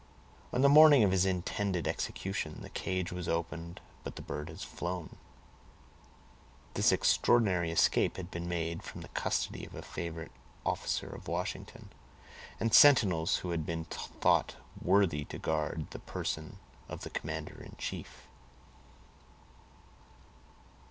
On the morning of his intended execution, the cage was opened, but the bird had flown. This extraordinary escape had been made from the custody of a favorite officer of Washington, and sentinels who had been thought worthy to guard the person of the commander in chief.